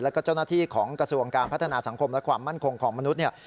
แล้วก็เจ้าหน้าที่ของกระทรวงการพัฒนาสังคมและความมั่นคงของมนุษย์เนี่ย